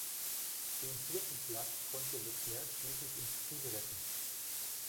Den vierten Platz konnte Leclerc schließlich ins Ziel retten.